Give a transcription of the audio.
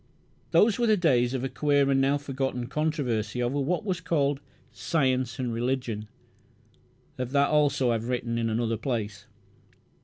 Those were the days of a queer, and now forgotten, controversy over what was called "Science and Religion". Of that also I have written in another place.